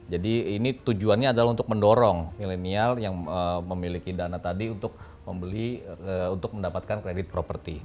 jadi ini tujuannya adalah untuk mendorong milenial yang memiliki dana tadi untuk membeli untuk mendapatkan kredit property